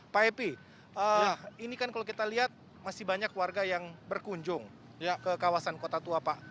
pak epi ini kan kalau kita lihat masih banyak warga yang berkunjung ke kawasan kota tua pak